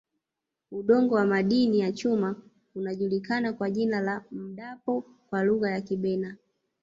Udongo wa madini ya chuma unajulikana kwa jina la Mdapo kwa Lugha ya Kibena